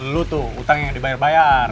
lu tuh utang yang dibayar bayar